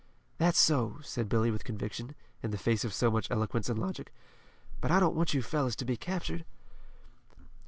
"That's so," said Billy with conviction, in the face of so much eloquence and logic, "but I don't want you fellows to be captured."